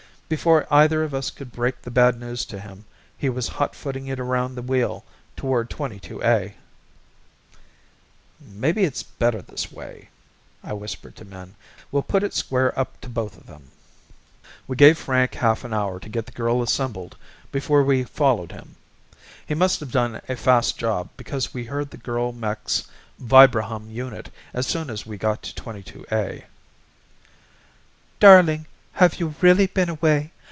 Before either of us could break the bad news to him he was hotfooting it around the wheel toward 22A. "Maybe it's better this way," I whispered to Min. "We'll put it square up to both of them." We gave Frank half an hour to get the girl assembled before we followed him. He must have done a fast job because we heard the girl mech's vibrahum unit as soon as we got to 22A: "Darling, have you really been away?